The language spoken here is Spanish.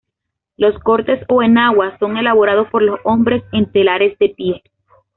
Los cortes o enaguas son elaborados por los hombres en telares de pie.